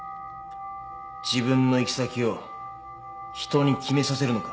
自分の行き先を人に決めさせるのか？